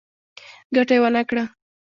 ګټه يې ونکړه.